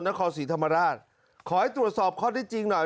นครศรีธรรมราชขอให้ตรวจสอบข้อได้จริงหน่อย